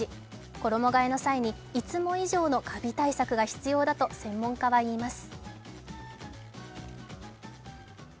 衣がえの際にいつも以上のカビ対策が必要だと専門家は言います。